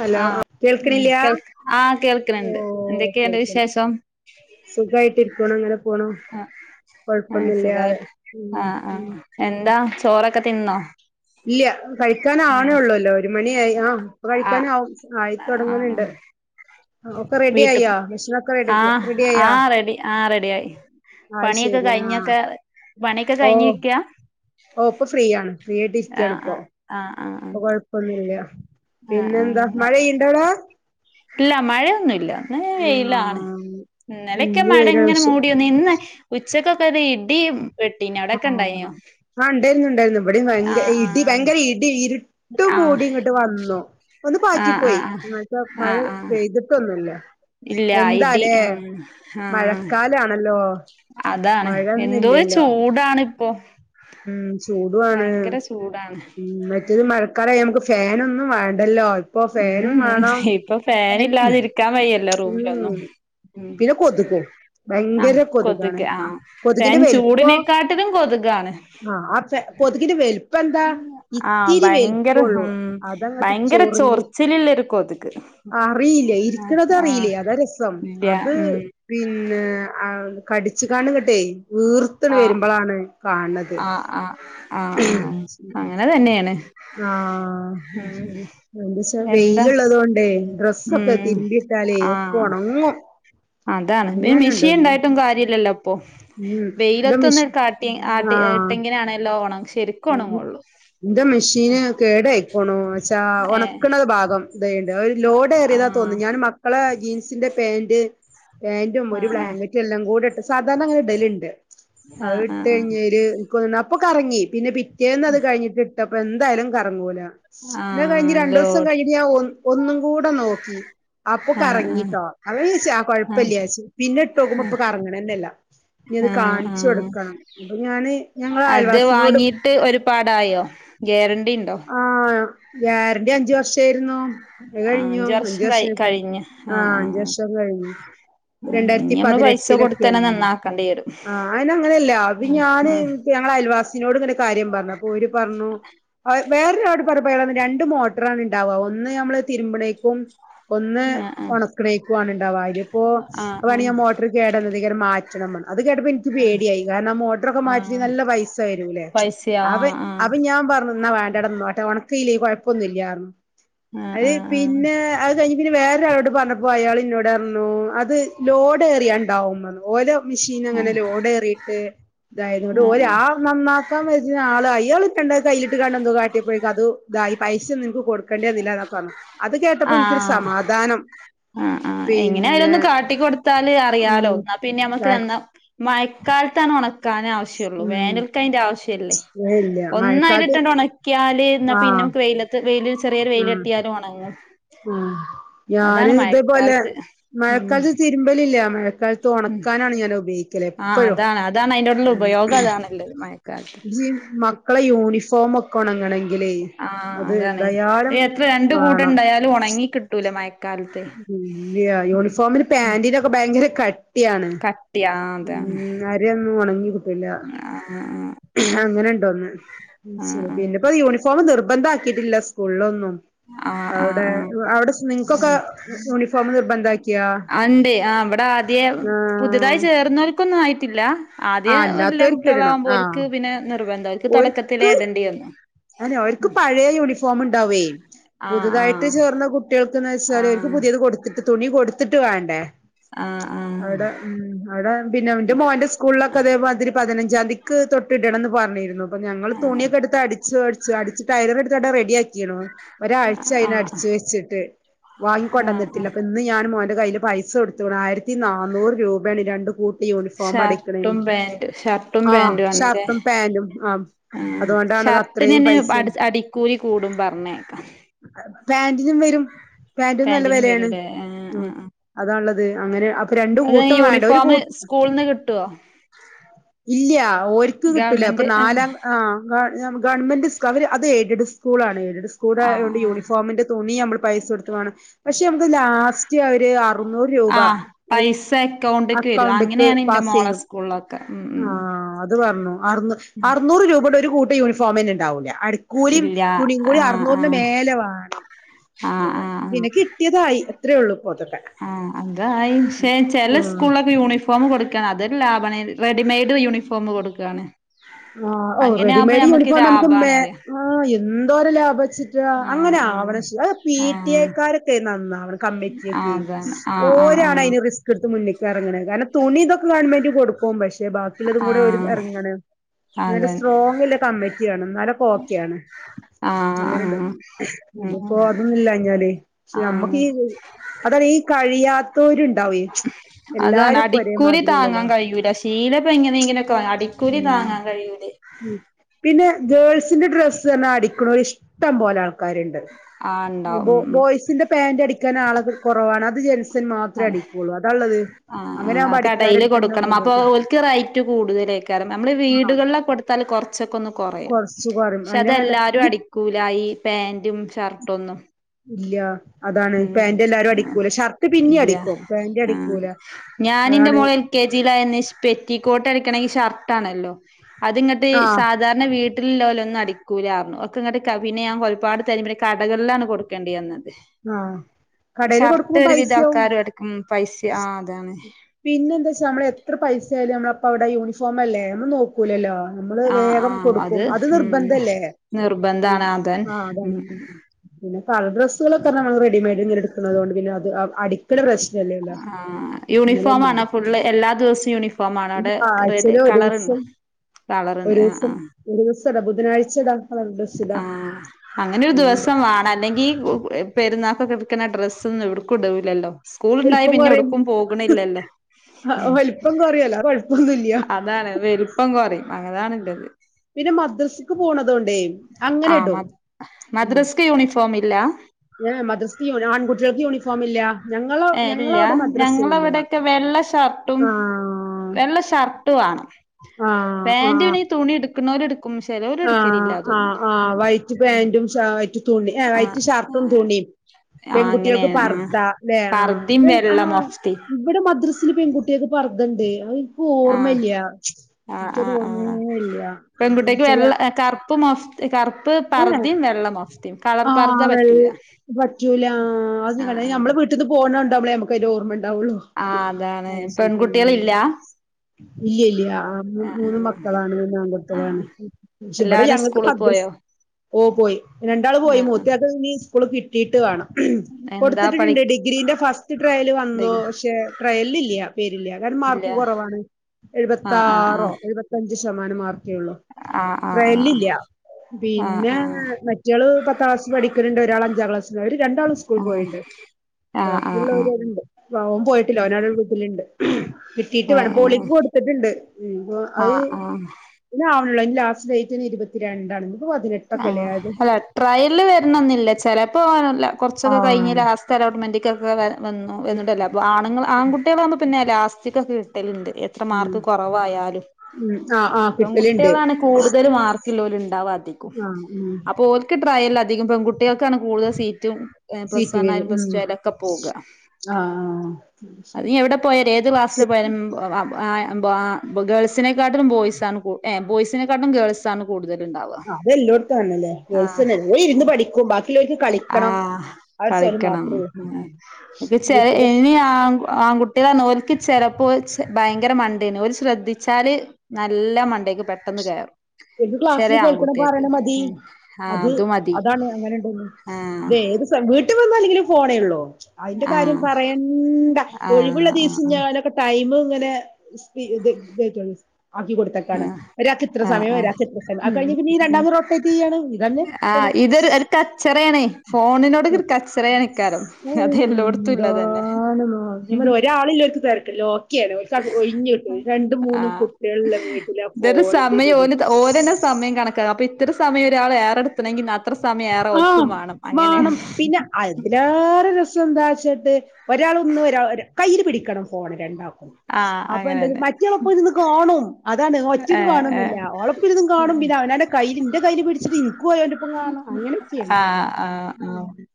Hello ആ ആഹ് ഉം കേൾക്കണില്ലയാ കേൾ ആഹ് കേൾക്ക്ണണ്ട് ഓ എന്തൊക്കെയുണ്ട് വിശേഷം സുഖായിട്ടിരിക്കണോ അങ്ങനെ പോണോ ആ സുഖമായിട്ട് ആഹ ആ ഉം എന്താ ചോറൊക്കെ തിന്നോ കഴിക്കാന ആഹ് ആണേള്ളൂല്ലോ ഒരു മണിയായി ആ അപ്പൊ കഴിക്കാനും ആഹ് ആയിത്തൊടങ്ങുന്നുണ്ട് വീട്ടിൽ റെഡിയാക്കിയോ ആഹ റെഡി ആയോ ആഹ റെഡി ആഹ റെഡി ആയി അത് പണിയൊക്കെ ശരി ആ കഴിഞ്ഞൊക്കെ പണിയൊക്കെ ഓ കഴിഞ്ഞിക്കാ ഓ ഇപ്പൊ ഫ്രീയണ് ഫ്രീയയിട്ട് ഇരിക്കാണ് ആഹ് ഇപ്പോ ആഹ് ആഹ് ആഹ് അ കൊഴപ്പൊന്നുംല്ല പിന്നെ എന്താ ആഹ് മഴ ആഹ് ഇണ്ടോടാ ഇല്ല മഴയൊന്നുമല്ല ഇന്നല ആ വെയിലാണ് ഇന്നലെയൊക്കെ ഇന്ന് മഴ വെയിലാണ് ഇങ്ങനെ പക്ഷെ മൂടിയോന്ന് ഇന്ന് ഉച്ചക്കൊക്കതെ ഇഡിയും ആ ആ ഉണ്ടായിരുന്നു ഇണ്ടായിരുന്നു ഇവിടെ ഭയങ്ക ആഹ് ഇടി ആഹ് ഭയങ്കര ഇടി ഇരു ട്ടും ആഹ് മൂടി ഇങ്ങോട്ട് വന്നു ഒന്ന് ആഹ് പാറ്റിപ്പോയി ആഹ് ആഹ് മഴ ആഹ് ആഹ് പെയ്തിട്ടൊന് ഇല്ല ഇടി ഉം ആഹ് മഴക്കാലാണല്ലോ അതാണ് എന്തോ മഴയൊന്നുംല്ലല്ലോ ചൂടണ് ഇപ്പോ ചൂടുആണ് മറ്റത് മഴക്കാലായാ നമുക്ക് ഫാനൊന്നും വാ ണ്ടല്ലോ ഇപ്പൊ ഫേനും ഉം വേണം ഇപ്പൊ ഫാനില്ലാതിരിക്കാൻ വയ്യല്ലോ റൂമിലൊന്നും ഉം ഉം പിന്നെ കൊതുകും ആഹ് ഭയങ്കര കൊതുകാണ് കൊതുക് ആഹ് ഫാൻ കൊതുകിന്റെ വലുപ്പോ ചൂടിനെക്കാട്ടിലും കൊതുകാണ് ആ ആചെ കൊതുക്കിന്റെ വലുപ്പം എന്താ ആഹ് ഇത്തിരി ഭയങ്കര വലുപ്പള്ളൂ ഉം അതങ്ങോട്ട് ച്ചൊ ഭയങ്കര റി ചൊറിച്ചിലില്ലൊരു കൊതുക് അറിയില്ല ആഹ് ഇരിക്കണത ആഹ് അറിയില്ല അതാ രസം ഇല്ല അത് ഉം പിന്നെ ആ കടിച്ചു കാണ്ടുങ്കട്ടെ വീർത്ത് വരുമ്പൊളാണ് കാ ആ ആ ആ ആ അങ്ങനെ തന്നെയാണ് ആ ഉം അത്ശരി എന്ത്‌ച്ചാ എന്താ വെയിലുള്ളത് കൊണ്ടേ ഡ്രസ്സൊക്കെ ഉം തിരുമ്പിയിട്ടാലേ ഒക്കെ ആഹ് ഉണങ്ങും അതാണ് പി മെഷീ ഇണ്ടായിട്ടും കാര്യല്ലല്ലോ ഇപ്പൊ ഉം ഇന്റെ വെയിലത്തൊന്ന് മിഷി കാട്ടി ആട്ടി ഇട്ടെങ്ങനാണല്ലോ എന്റെ ഉം മെഷീന് കേട് ആയിക്കണു വച്ചാ ഏഹ് ഉണക്കണത് ഭാഗം ഇതണ്ട് ഒരു ലോഡ് ഏറിയതാ ആഹ് തോന്നുന്നു ഞാന് മക്കളെ ജീൻസിന്റെ പാന്റ് പാന്റും ഒരു ആഹ് ബ്ലാങ്കറ്റ് എല്ലാം കൂടി ഇട്ട് സാധാരണ അങ്ങനെ ഇടലുണ്ട്. ആഹ് അത് ഇട്ട് ആഹ് ആഹ് കഴിഞ്ഞേല് അപ്പൊ കറങ്ങി പിന്നെ പിറ്റേന്ന് അത് കഴിഞ്ഞിട്ട് ഇട്ടപ്പൊ എന്തയാലും കറങ്ങൂല എന്നാ കഴിഞ് ആഹ് രണ്ടു ദിവസം ലോഡ് കഴിഞ്ഞ് ഞാൻ ഒ ഒന്നും കൂടെ നോക്കി അപ്പൊ ആഹ് ആഹ് കറങ്ങിട്ടോ അപ്പൊ വെച്ച് ആ ആഹ് കൊഴപ്പില്ലാച്ച്. പിന്നെ ഇട്ടോക്കുമ്പോ ഇപ്പൊ കറങ്ങണന്നല്ല. ഇനി അത് ആഹ് കാണിച്ചു ആഹ് കൊടുക്കണം. അപ്പൊ ഞാന് ഞങ്ങള അയൽവാസിനോട് ഇട്ട് ഒരുപാടായോ ഗേറണ്ടി ഉണ്ടോ? ആഹ് ഗ്യാരണ്ടി അഞ്ചു വർഷേ കഴിഞ്ഞു അത് ആഹ് കഴിഞ്ഞു. വർഷം അഞ്ച് കഴി വർഷായി കഴിഞ്ഞ് ആ ആഹ് അഞ്ച് ആഹ് വർഷം കഴിഞ്ഞു. ആഹ് ഇനി രണ്ടായിരത്തി നമ്മള് പൈസ കൊടുത്തന്നെ പതിനെട്ടിലൊക്കെയാണ് നന്നാക്കേണ്ടി വരും [inaudible] ആ അയ്നങ്ങനെയല്ല അത് ആഹ് ഞാന് ആഹ് ഞങ്ങൾ അയൽവാസിനോട് ഇങ്ങനെ കാര്യം പറഞ്ഞു അപ്പോര് പറഞ്ഞു വേറൊരാട് പറഞ്ഞപ്പൊ അയാള് പറഞ്ഞു രണ്ട് മോട്ടറാണ് ഉണ്ടാവുക ഒന്ന് നമ്മള് തിരുമ്പണേക്കും ഒന്ന് ആഹ് ആഹ് ഉണക്കണയിക്കുവാണ് ഉണ്ടാവാ, ഇതിപ്പോ അത് ആഹ് ആഹ് പണിയാൻ മോട്ടർ കേടുവൻ അതിക്കാരം മാറ്റണം [unintelligible] അത് കേട്ടപ്പോ എനിക്ക് പേടിയായി കാരണം ആ മോട്ടറൊക്കെ മാറ്റി ആഹ് നല്ല പൈസ വരൂല്ലേ? പൈസയോ അവ ആഹ് അപ്പ ഞാൻ പറ എന്നാ വേണ്ടട നിന്നോട്ടെ ഒണക്കീല്ലേ കൊഴപ്പോന്നൂല്ല്യാ പറഞ്ഞു. ആഹ് അത് ആഹ് പിന്നേ അത് കഴിഞ്ഞ് വേറൊരാളോട് പറഞ്ഞപ്പോ അയാള് എന്നോട് പറഞ്ഞു അത് ലോഡ് ഏറിയാ ഉണ്ടാവും പറഞ്ഞു. ഓലോ മെഷീൻ അങ്ങനെ ആഹ് ലോഡേറീറ്റ് ഇതായത്. ന്ന്ട്ട് ഓല് ആഹ് ആ നന്നാക്കാൻ വജ്ജുന്ന ആള് ആയി [unintelligible] കൈലിട്ട്ക്കാണ്ട് എന്തോ കാട്ടിയപ്പോയേക്ക് അത് ഇതായി പൈസൊന്നും എനക്ക് കൊടുക്കേണ്ടി വന്നില്ലാ പറഞ്ഞെ അത് കേട്ടപ്പോ എനിക്കൊര് സമാധാനം ആ ആ എങ്ങനെ ആലും പിന്നെ ഒന്ന് കാട്ടിക്കൊടുത്താല് ഉം അറിയാലോ എന്നാ പിന്നെ നമ്മക്ക് ടാക്സ് എന്നാ മയക്കാലത്താണ് ഒണക്കാൻ ആവശ്യയൊള്ളൂ ഉം വേനൽക്ക് അയിന്റെ ആവ ശ്യല്ലേ. ഏ ഇല്ല മഴക്കാലത്ത് ഒന്നയിലിട്ടണ്ട് ഒണക്കിയാല് എന്നാ ആ പിന്നെ നമ്മക്ക് വെയിലത്ത് വെയ്ല് ചെറിയെര് ആ വെയില് തട്ടിയാലും ഒണങ്ങും. ആ ഞാന് ഇതേ പോലെ ഉം മഴക്കാലത്ത് തിര്മ്പല് ഇല്ല മഴ കാലത്ത് ഉം ഒണക്കാനാണ് ഞാൻ ഉപയോഗിക്കല് ആഹ് എപ്പഴും അതാണ് അതാണ് അയിന്റോടുള്ള ഉം ഉപയോഗം അതാണുള്ളത് യ് മഴക്കാലത്ത് മക്കളെ യൂണിഫോം ഒക്കെ ഒണങ്ങണെ ആ അതാണ്. എത്ര രണ്ട് കൂടം ഇണ്ടായാലും ഒണങ്ങി കിട്ടൂല്ലാ മഴ ഇല്ല്യാ യൂണിഫോമിന് ഉം പാൻ്റിനൊക്കെ ബയങ്കര കട് ട്ടിയാണ്. കട്ടിയാ ആഹ് ഉം അതാണ് അന്നേരെ ഒന്നും ഒണങ്ങി ട്ടില്ല. അങ്ങനെ ഉണ്ട് ഒന്ന് ആഹ് ശെരി പിന്നെ ഇപ്പോ യൂണിഫോം നിർബന്ധം ആക്കിട്ടില്ലാ സ്കൂളിലൊന്നും ആഹ് അവടെ അവടെ നിങ്ങക്കൊക്കെ യൂണിഫോം നിർബന്ധാക്കിയാ അണ്ടേ ആ അവടെ ആദ്യ പുതാതായി ആഹ് ചേർന്നവറ്ക്കൊന്നും ആയി ല്ലാ ആദ്യ ഓല അല്ലാത്തോർക്ക് ഇടണം കുട്ടികളാമ്പോ ആഹ് ഓര്ക്ക് പിന്നെ നിർബന്ധാ ഓർക്ക് തൊടകത്തിലെ ഇടേണ്ടി വന്ന് [unintelligible] ഓര്ക്ക് പഴയ യൂണിഫോം ഒണ്ടാവേ ആഹ് പുതുതായിട്ട് ആഹ് ചേർന്ന കുട്ടികൾക്ക് എന്ന് വെച്ചാല് ആഹ് പുതിയത് കൊടുത്തിട്ട് തുണി കൊടുത്തിട്ട് വേണ്ടേ ആഹ് അവടെ ഉം അവടെ പിന്നെ എന്റെ മോന്റെ സ്കൂളിലൊക്കെ അതേമാതിരി പതിനഞ്ച് ജതിക്ക് തൊട്ടി ഇടണം എന്ന് പറഞ്ഞിര്ന്നു അപ്പൊ ഞങ്ങള് ആഹ് തുണിയൊക്കെ എട്ത്ത് അടി അടിച്ച് ടൈലർ റെഡിയ ആക്കിണ് ഒരാഴ്ചാ ആഹ് അയിന് ആഹ് അടിച്ച് വെച്ചിട്ട് വാങ്ങിക്കൊണ്ട് ആഹ് വന്നിട്ടില്ല അപ്പൊ ഇന്ന് ഞാൻ മോന്റെ കയ്യില് പൈസ കൊടുത്ത് വിടാ ആയിരത്തി നന്നൂറ് രൂപയാണ് രണ്ട് കൂട്ട യൂണിഫോം ഷർട്ടും അടിക്കണേന് പാന്റും ഷർട്ടും ആ ഷർട്ടും പാന്റും ആ ആ അതുകൊണ്ടാണ് അത് ഷർട്ട് അത്രയും ഷർട്ടിന് പൈസ അടി അടിക്കൂലി കൂടും പറഞ്ഞേക് പാന്റിനും വരും പാന്റും പാന്റീനും വരൂല്ലേ ആ ആ ആ ഒള്ളാതാ അങ്ങനെ അപ്പൊ രണ്ട് കൂട്ടം വേണ്ട ഒര് കു സ്കൂൾന്ന് കിട്ടോ ഇല്ല ഒര്ക്ക് കിട്ടൂല്ലാ അപ്പൊ ഗവൺമെന്റ് ആഹ് നാലാം ആ ആ ഗവൺമെന്റ് സുകു അവര് അത് എയ്ഡ് സ്കൂളാണ് എയ്ഡ് സ്കൂളായോണ്ട് ആഹ് യൂണിഫോമിന്റെ തുണി നമ്മള് പൈസ കൊട്ത്ത് വേണം പക്ഷെ നമക്ക് ലാസ്റ്റ് അവര് ആറുന്നൂറ് രൂപ ആഹ് പൈസ അക്കൗണ്ട്ക്ക് വരും അക്കൗണ്ടക്ക് അങ്ങനെയാണ് പ ഇന്റെ മോളെ സ്കൂള് ഓക്കെ ഉം ഉം ആ അത് പറഞ്ഞു അറൂ ഉം ആറ്നൂറ് രൂപയുടെ ഒര് കൂട്ടാം യൂണിഫോം തന്നെ ഒണ്ടാവൂല്ല്യാ അട്ക്കൂലിയും ഇല്ല തുണി കൂലിയും ആഹ് ആറ്ന്നൂറിറെ ആഹ് മേലേ വേണം ആഹ് ആഹ് പിന്നെ കിട്ടിയാതായി അത്ര ഒള്ളൂ ഇപ്പോ ആ അതായി ശെ ചെല ഉം സ്കൂളിലൊക്കെ യൂണിഫോം കൊ കൊട്ക്കാണ് അതെല്ലാം ലബാണ് റെഡിമെയ്ഡ് യൂണിഫോം കൊട്ക്കാണ് ആ ഓ റെഡിമെയഡ് യൂണിഫോം നമക്ക് ആ മെ ലാഭാണ് അറിയ എന്തോര് ലാഭാച്ചിട്ട് ആഹ് അങ്ങനെ ആ ആവണം ആഹ് പിടിഎ ആഹ് കാരൊക്കെ നന്നാവണം കമ്മറ്റിക്ക് ആഹ് അതാണ് ഓരാണ് ആഹ് അയിന് റിസ്ക് എട്ത്ത് മുന്നിക് എറങ്ങണം കാരണം തുണി ഇതൊക്കെ ഗവൺമെന്റ് കൊടുക്കും പശെ ആഹ് ബാക്കിയെള്ളതും കൂടെ ഒര് ആഹ് എറങ്ങാണ് ആഹ് എന്നട്ട് അതാണ് സ്ട്രോങ്ല്ലാ കമ്മിറ്റി വേണം എന്നാലെ ഓക്കേ ആണ് ആഹ് അങ്ങനെണ്ടോ ആഹ് ഉം ഉം ഇതിപ്പോ അതൊന്നു ഇല്ലാഞ്ഞാല് ആഹ് നമ്മക്ക് ഇ അതാണ് ഈ കഴിയാത്തവർ ഉണ്ടാവും അതാണ് അടിക്കൂലി താങ്ങാൻ കഴിയൂല്ലാ ശീലപ്പ എങ്ങനെ എങ്ങനെയങ്കിലും ആ അടിക്കൂലി ഉം താങ്ങാൻ കഴിയൂലേ ഉം പിന്നെ ഗേൾസിന്റെ ഡ്രെസ്സ് തന്നെ അടിക്കോണേര് ഇഷ്ടം പോലെ ആ ആൾക്കാര് ഉണ്ട് ആഹ് ഇത് ഇണ്ടാവും ഇപ്പോ ഉം ഉം ബോയ്സിൻ്റെ പാന്റ് അടിക്കാൻ ആൾ കുറവാണ് അത് ജെയിംസ് മാത്ര അടിക്കോള്ളൂ അതാ ഒള്ളത് ആ ആ ആ കടയില് കൊടുക്കണം അപ്പൊ ഒർക്ക് റൈറ്റ് കൂടുതലേക്കാറും നമ്മള് വീട് ആ ടുകൾലൊക്കെ കൊടുത്താല് കൊറച്ചൊക്കൊന്ന് കൊറയും കൊറച്ച് കുറയും പക്ഷെ അയിനങ്ങല്ല അതെല്ലാരും അടിക്കൂല ഈ പാ ന്റും ഷർട്ട് ഒന്നും. ഇല്ല അതാണ് പാന്റ് എല്ലാരും ആഹ് അടിക്കൂലെ ഷർട്ട് പിന്നേം ഇല്ല അടിക്കും പാന്റ് ആഹ് അടിക്കൂല ഞാന് ഇന്റെ അതാണ് മോള് എൽ. കെ. ജി. യിലായന്ന് ഷ് മ്പെറ്റിക്കോട്ട് അടിക്കണെങ്കി ഷർട്ട് ആണല്ലോ അത്ങ്ങട്ട് ആ സാധാരണ വീട്ടിലില്ലോലൊന്നും അടിക്കൂലാറഞ്ഞു ഒക്കെ ഇങ്ങട്ട്കാ പിന്നെ ഞാൻ ഒരുപാട് തെരബയെ കടകളിലാണ് കൊടുക്കേണ്ടി വന്നത് ആ കടേല് ഷർട്ട് കൊടുക്കുമ്പോ ഒരു വിധ പൈസയാവും ആൾക്കാരും എടുക്കും പൈസ ആ അതാണ്. പിന്നെ എന്താച്ചാ നമ്മള് എത്ര പൈസായാലും നമ്മള് അപ്പോ അവിടെ യൂണഫോം അല്ലേ നമ്മള് നോ ക്കൂലല്ലോ നമ്മള് ആഹ് വേഗം ആഹ് കൊടുക്കും അത് ഉം നിർബന്ധല്ലേ ഉം നിർബന്ധാണ് അതൻ ആഹ് അതാണ് ഉം ഉം പിന്നെ കളർ ഡ്രസ്സുകളൊക്കെ നമ്മൾ റെഡിമയ്ഡ് ഇങ്ങനെ ഇട്ക്ക്ണത്കൊണ്ട് പിന്നെ അത് അടിക്ക്ണ പ്രശ് ആഹ് യൂണി ഫോം ആണോ ഫുള് എല്ലാ ദിവസ്‌ യൂണിഫോം ആണോ അ ഇനി വിടെ ആഴ്ചയിൽ റെഡി ഒരു കളർണ്ടോ ദിവസം കളറ്ണ്ട് ആഹ് ആഹ് ച്ചെട ബുധനാഴ്ചടാ കളർ ഡ്രസ്സ് ഇടാ ആഹ് അങ്ങനൊരു അങ്ങനെണ്ട് ദിവസം വാണ്ണം അല്ലെങ്കി പെരുന്ന കിടക്കുന്ന ഡ്രസ്സ് ഒന്നും എവിടുക്കും ഇടൂലല്ലോ സ്കൂള്ണ്ടായി വലിപ്പം പിന്നെ കുറയും എവ്ട്ക്കും പോക്ണില്ലല്ലോ ഉം വലിപ്പം കുറയല്ലോ കൊഴപ്പൊന്നുല്ല അതാണ് വലുപ്പം കൊറിം അതാണ് ഇല്ലത് പിന്നെ മദ്രസ്ക്ക് പോണതോണ്ടേ അങ്ങനെ ആഹ് ഇടും മ ഉം മദ്രസ്ക്ക് യൂണിഫോം ഇല്ല ഏഹ് മദ്രസക്ക് യുണീ ആൺകുട്ട്യാൾക്ക് യൂണിഫോം ഇല്ല ഞങ്ങള ഏഹ് ഇല്ല ഞങ്ങളവിടെ മദ്രസ ഇല്ല ഞങ്ങളവടൊക്കെ വെള്ള ഷർട്ടും ആഹ് വെള്ള ഷർട്ട് വാ ആണ് ആഹ് പാൻ്റ് ആഹ് പിന്നെ ഈ തുണിട് ആഹ് ആഹ് ആഹ് വൈറ്റ് പാന്റും ഷാ വൈറ്റ് തുണിം ഏഹ് ആഹ് വൈറ്റ് ഷർട്ടും ആഹ് തുണിം പെൺകുട്ടികൾക്ക് അങ്ങനെയാണ് ആഹ് പർദ്ധ. പർദ്ദയും ആഹ് വെള്ള ആഹ് മൊഫ്തേം ഇവിടെ മദ്രസില് പെൺകുട്ടിയാക്ക് പർദ്ധണ്ട് അത് ആഹ് ഓർമല്ല്യ ആഹ് ഇറ്റൊരു ആഹ് ഓർമേ ആഹ് ഇല്ല്യ മു പെൺകുട്ടിക്ക് വെള്ള എ കറുപ്പ് മഫ്ത് കറുപ്പ് കറുപ്പ് ഏഹ് പർദ്ദിം വെള്ളം മഫ്തിം കളർ പർദ്ദ ആഹ് വെ പറ്റൂല്ല പറ്റൂല ആഹ് അത് ഞാൻ ആഹ് കണ്ട ആഹ് നമ്മളെ വീട്ട്ന്ന് പോണണ്ടാവുമ്പളേ നമക്ക് അതിൻ്റെ ഓർമ്മണ്ടാവുള്ളു ആഹ് അതാണ് അത് ശരി ആഹ് അഹ് പെൺകുട്ടികളില്ല ഇല്ല്ഇല്ല്യ ആഹ് മൂ മൂന്ന് മക്കളാണ് മൂന്ന് ആൺ [unintelligible] ളാണ് ആഹ് ക്ഷെ ഇവിടെ എല്ലാരും ഞങ്ങൾക്ക് മദ്രസ് [unintelligible] ഓ പോയി രണ്ടാള് പോയി ആഹ് ആഹ് മൂത്തയാക്ക് ഇനി സ്കൂള് കിട്ടിയിട്ട് വാണം. എന്താ കൊട്ത്തിട്ട്ട്ട്ണ്ട് പഠിക്ക ഡിഗ്രീന്റെ ഫസ്റ്റ് ട്രയല് വന്നൂ ക്ഷെ ട്രയലില്ല്യ പേരില്ല കാര്ണം ഇല്ല മാർക്ക് കൊറവാണ് ആഹ് ആഹ് എഴുപത്താറോ എഴുപത്തഞ്ച് ശമാനം മാർ ക്കേള്ളു ആഹ് ആഹ് ട്രയല്ലില്ല്യ ആഹ് പിന്നെ ആഹ് മറ്റെള് പത്താളാസ്സ് പഠിക്ക്ണ് ണ്ട് ഒരാൾ അഞ്ചാ ക്ലാസ്സില് ര് രണ്ടാളും സ്കൂൾ പോയിണ്ട് ആഹ് ആഹ് ആഹ് ആഹ് ആഹ് ബാക്കിയുള്ളവരവിടണ്ട് ഓൻ പോയിട്ടില്ല ഓനവിടെ വീട്ടിലുണ്ട്. കിട്ടീട്ട് വേണം ആഹ് പോളിക്ക് കൊടുത്തിട്ട്ണ്ട് ഉം അഹ് അ ആഹ് [unintelligible] ആഹ് ആഹ് പിന്നെ ആണല്ലോ ലാസ്റ്റ് ഡേറ്റ് ഇനി ഇരുപത്തി രണ്ടാണ്. ആഹ അല്ല ട്രയല് വരണംന്നില്ല ചെല പോകാനല്ല ആ കുറച്ചൊക്കെ കഴിഞ്ഞ ലാസ്റ്റ് അലോട്ട്മെന്റൊക്കെ വന്ന വന്നിട്ടല്ല അപ്പോ ആുൾ ആൺകട്ടികള പിന്നെ ലാസ്റ്റക്ഒക്കെ കിട്ടലുണ്ട് എത്ര ഉം മാർക്ക് കുറവായാലും ഉം ആഹ് ആഹ് കിട്ടലുണ്ട് പെൺകുട്ടികളാണ് കൂടുതൽ മാർക്കില്ല പോലും ഉണ്ടാവാതിക്കും ആഹ് ഉം അപ്പൊ ഓൾക്ക് ട്രായല്ലധികം പെൺകുട്ടി കുട്ടികൾക്കാണ് കൂടുതൽ സീറ്റും ഏഹ് പ്ലസ് സീറ്റ് വൺ വരും ആയാലും പ്ലസ് ഉം ടു ആയാലും ഒക്കെ പോവുക ആഹ് അത് നീ എവിടെ പോയാലും ഏത് ക്ലാസ്സില് പോയാലും ആഹ് ആം ബോ ആഹ് ഗേൾസിനെക്കാട്ടിലും ബോയ്സ് ആണ് കു ഏ ബോയ്സിനെക്കാട്ടിലും ഗേൾസ്ണ് കൂടുതൽ ഇണ്ടാവുക എല്ലോടത്തുംന്നല്ലേ വേൾസന ഏ ഇരുന്ന് പഠിക്കും ബാക്കിുള്ളവർക്ക് കളിക്കണം അവടെ സ്വരം മാത്രമേ മു മു ചെല ഇനി ആ ആൺകുട്ടികളെ നോൽക്ക് ചെലപ്പോ ഭയങ്കര മണ്ടേന് ഒരു ശ്രദ്ധിച്ചാല് നല്ല മണ്ടേക്ക് പെട്ടെന്ന് കയറും. എന്ത് ക്ലാസ്സില് ചെറിയ കേൾക്കണം. ആൺകുട്ടിയക്ക് പറയണത് മതി ഉം ആഹ് മതി അത് അങ്ങനെയുണ്ട് ആഹ് ഏത് വീട്ടിലെ അല്ലെങ്കിൽ ഫോണേ ഉള്ളൂ? അതിന്റെ കാര്യം ആഹ് പറയണ്ട ഒഴിവ ആഹ് ആഹ് [inaudible] ആക്കി കൊടുത്തക്കാണ് ഒരാൾക്ക് ഇത്ര ആഹ് സമയം ആഹ് ഒരാൾക്ക് എത്ര സ്ഥാനം അത് കഴിഞ്ഞ് പിന്നീ രണ്ടാമത് റോട്ടേട്ട് ഇയാണ് ഇതന്നെ ആഹ് ഇതൊരു ഒരു കച്ചറയാണ് ഫോണിനോട് ത ഒരു കച്ചറയാണിക്കാരം ആയ അത് എല്ലോടത്തും ഇല്ലതന്നെ എന്താണ് ഒരാള തിരക്കല്ല ഒഴിഞ്ഞ കിട്ട് രണ്ട് മൂന്നും കുട്ടികളുടെ വീട്ടില ആ ഫോണ സമയ ഓന്ന സമയ കണക്ക അപ്പൊ ഇത്ര സമയം ഒരാൾ ഏറെടുത്തണെങ്ക ആഹ വേണം പിന്നെ അതിലേറെ രസ എന്താച്ചിട്ട് ഒരാൾ ഒന്ന് കയ്യില് പിടിക്കണം ഫോൺ രണ്ടാ ആഹ് അപ്പൊ എന്ത അങ്ങനെന്നെ മറ്റള പോയി നിന്ന് കണ്ണും അത ആണ് ഒച്ചയ്ക്ക് ഏഹ് കാണുന്നുല്ല ഏഹ് ഓളോപ്പിരുന്ന് കാണും പിന്നെ അവനന്റെ കയ്ൽ ന്റെ കയ്ൽ പിടിച്ചിട്ട് ഇൻക്കുംഓയോന്റെപ്പം കാണ് ണം അഹ് അഹ് അഹ്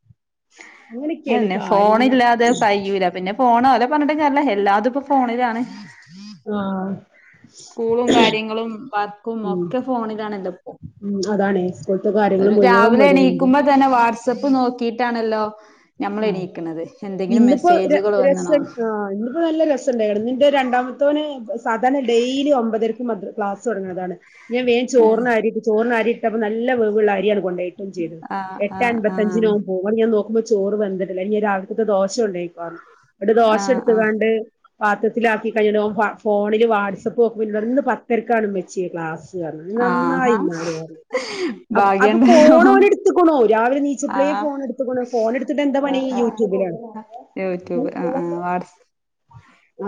അങ്ങനെയൊക്കെയാണ് ന്നെ കാര്യങ്ങള് ഫോണില്ലാതെ കയ്യുല, പിന്നെ ഫോൺലെ പറഞ്ഞിട്ടും കാര്യല്ല എല്ലാതും ഇപ്പോ ഫോണിലാണ്. ആഹ് സ്കൂളും കാര്യങ്ങളും വർക്കും ഉം ഒക്കെ ഫോണിലണല്ലോപ്പോ ഉം അതാണ് സ്കൂൾത്തെ കാര്യങ്ങൾ മുഴുവൻ രാവ് ലെ വിടുന്നുണ്ട് എണീക്കുമ്പോ തന്നെ വാട്സപ്പ് നോക്കിറ്റാണല്ലോ ആഹ് ഇന്നിപ്പോ ര രസ് വന്നണോ ആ്ഹ് ഇന്നിപ്പോ നല്ല രസ്ണ്ടകണ് ഇന്റെ രണ്ടാമ മുത്തൊന്ന് സാധാണ ഡെയിലി ഒമ്പതരക്ക് മദ്ർ ക്ലാസൊടങ്ങണതാണ് ഞാൻവേ ഏഹ് ചോറിനരിട്ട് ചോറിനരിട്ടപ്പ നല്ല വേവ്ള്ള അരിയണ് കൊണ്ടെയിട്ട് ചെയ്ത് ആഹ് എട്ട് ആഹ് ആഹ് അമ്പപത്തഞ്ചിനവ പോം അത് ഞ നോ ചോറ് വേന്തിട്ടില്ല ഇനി രാവിൽതത്തെക്കെ ദോശണ്ടായിക്കോു ടെ ദോശ ആഹ് ആഹ് എടുത്ക്കാണ്ട് പാത്രത്തിലാക്കി കഴിഞ്ണ്ട് ഒൻ ഫ ഫോണില് വാട്സപ്പ്ക്കുമ്പന്നോട്റയുംന്ന് പത്തരക്കാണ് ഉമ്മച്ചി ക്ലാസ്. ന്ന്റഞ്ഞു ആഹാ നന്നായി [unintelligible] അത് ഭാഗ്യണ്ടല്ലോ പോണോനെട്ത്തുക്കുണു രാവിലെ നീച്ചപ്ളെ ആഹ് ഫോൺ എടുത്ക്ക്ണു ഫോൺ എടുത്തിട്ട് എന്താ പണി ആഹ് യൂറ്റൂബിലാണ്. ആഹ് യൂട്യൂബ് ആഹ് ആഹ് വാട്സ്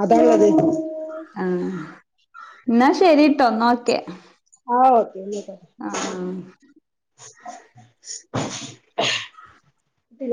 അത [unintelligible] അതെ ആ എന്നാ ശരിട്ടോഎന്നാ ഒക്കെ ആ ഓക്കെ ആഹ് ആഹ് [unintelligible]